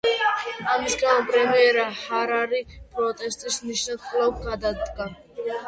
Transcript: ამის გამო პრემიერი ჰარირი, პროტესტის ნიშნად კვლავ გადადგა.